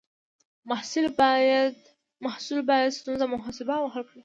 محصل باید ستونزې محاسبه او حل کړي.